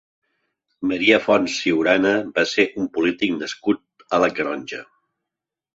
Marià Fonts Ciurana va ser un polític nascut a la Canonja.